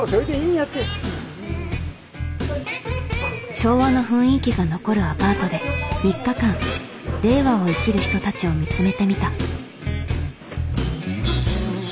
昭和の雰囲気が残るアパートで３日間令和を生きる人たちを見つめてみた。